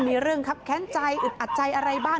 มีเรื่องครับแค้นใจอึดอัดใจอะไรบ้าง